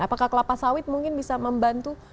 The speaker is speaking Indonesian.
apakah kelapa sawit mungkin bisa membantu